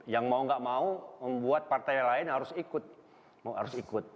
yang mau nggak mau membuat partai lain harus ikut